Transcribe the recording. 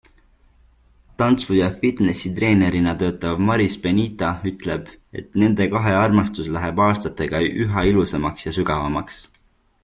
Tantsu- ja fitnessitreenerina töötav Maris Benita ütleb, et nende kahe armastus läheb aastatega üha ilusamaks ja sügavamaks.